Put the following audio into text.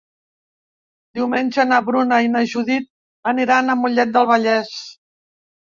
Diumenge na Bruna i na Judit aniran a Mollet del Vallès.